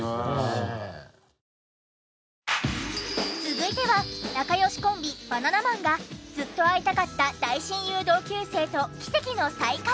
続いては仲良しコンビバナナマンがずっと会いたかった大親友同級生と奇跡の再会。